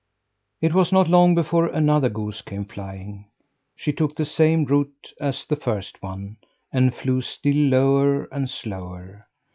It was not long before another goose came flying. She took the same route as the first one; and flew still lower and slower.